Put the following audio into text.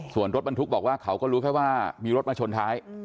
ส่วนรถบรรทุกบอกว่าเขาก็รู้แค่ว่ามีรถมาชนท้าย